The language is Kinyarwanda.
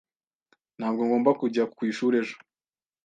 Ntabwo ngomba kujya ku ishuri ejo